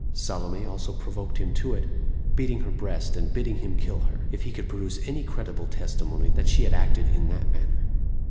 Salome also provoked him to it, beating her breast, and bidding him kill her, if he could produce any credible testimony that she had acted in that manner.